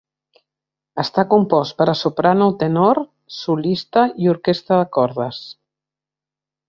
Està compost per a soprano o tenor solista i orquestra de cordes.